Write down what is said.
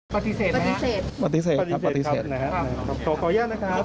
ปฏิเสธปฏิเสธครับปฏิเสธนะครับขอขออนุญาตนะครับ